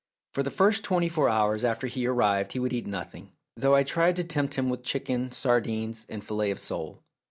For the first twenty four hours after he arrived he would eat nothing, though I tried to tempt him with chicken, sardines, and fillet of sole.